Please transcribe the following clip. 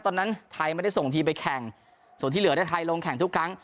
ตอนนั้นไทยไม่ได้ส่งทีมไปแข่งส่วนที่เหลือได้ไทยลงแข่งทุกครั้ง